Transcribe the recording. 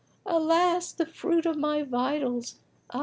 Alas, the fruit of my vitals, ah!"